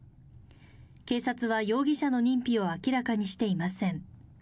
警察は容疑者の認否を明らかにしていません。